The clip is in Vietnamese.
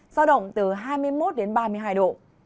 giao động từ hai mươi một đến ba mươi hai độ